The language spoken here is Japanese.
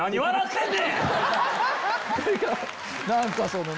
何かそのね。